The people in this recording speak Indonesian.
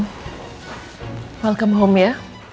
selamat datang kembali ya